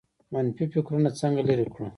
منفي فکرونه څنګه لرې کړو؟